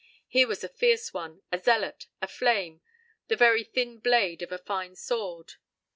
Here was a fierce one, a zealot, a flame, the very thin blade of a fine sword.